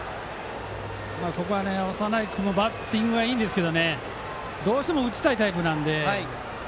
ここは長内君もバッティングいいですがどうしても打ちたいタイプなので。